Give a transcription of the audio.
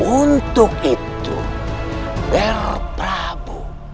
untuk itu nger prabu